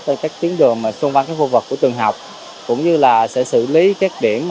trên các tuyến đường xung quanh khu vực của trường học cũng như là sẽ xử lý các điểm